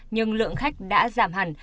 nhưng lượng khách đã giảm hẳn